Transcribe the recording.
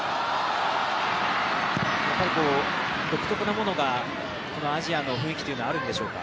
独特なものが、このアジアの雰囲気というのはあるんでしょうか？